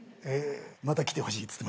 「また来てほしい」っつってますよ。